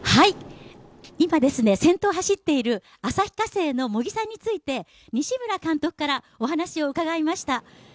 今、先頭を走っている旭化成の茂木さんについて西村監督からお話を伺いました。